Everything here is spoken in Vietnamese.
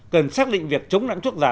cần xác định việc chống nặng thuốc giả